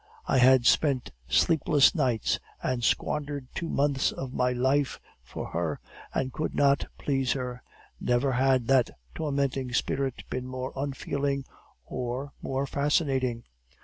I had spent sleepless nights, and squandered two months of my life for her, and I could not please her. Never had that tormenting spirit been more unfeeling or more fascinating.